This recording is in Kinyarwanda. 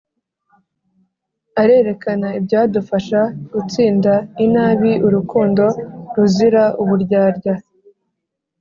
arerekana ibyadufasha gutsinda inabi : urukundo ruzira uburyarya,